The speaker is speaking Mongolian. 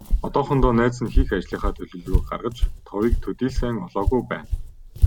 Одоохондоо найз нь хийх ажлынхаа төлөвлөгөөг гаргаж, товыг төдий л сайн олоогүй байна.